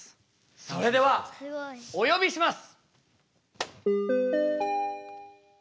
それではお呼びします。